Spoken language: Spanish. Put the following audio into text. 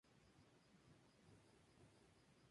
Independencia, Saavedra, su ruta.